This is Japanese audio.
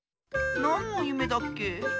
なんのゆめだっけ？